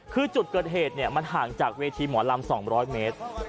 คือจุดเกิดเหตุมันห่างจากเวทีหมอลำ๒๐๐เมตร